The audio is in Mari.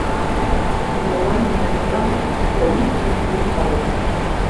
Чолган миен пура, Овий тудым ок пале.